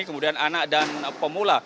kemudian anak dan pemula